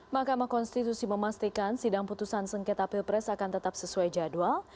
mahkamah konstitusi memastikan sidang putusan sengketa pilpres akan tetap sesuai jadwal